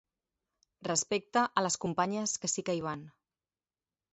Respecte a les companyes que sí que hi van.